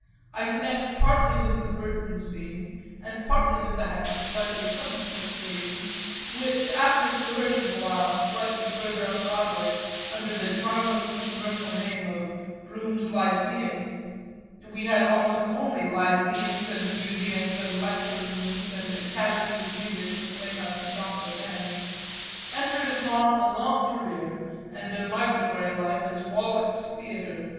I connect partly with the Burton scene and partly with that, of slightly subsequent creation, which, after flourishing awhile slightly further up Broadway under the charmlessly commercial name of Brougham's Lyceum (we had almost only Lyceums and Museums and Lecture Rooms and Academies of Music for playhouse and opera then,) entered upon a long career and a migratory life as Wallack's Theatre.